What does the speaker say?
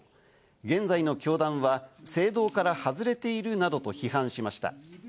現在の教団は正道から外れているなどと批判しました。